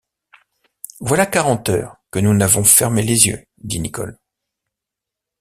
Voilà quarante heures que nous n’avons fermé les yeux, dit Nicholl.